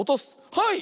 はい！